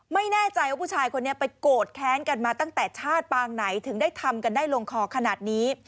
ไม่แน่ใจว่าผู้ชายคนนี้ไปโกรธแค้นกันมาตั้งแต่ชาติปางไหนถึงได้ทำกันได้ลงคอขนาดนี้